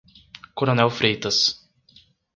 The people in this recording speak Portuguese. Coronel Freitas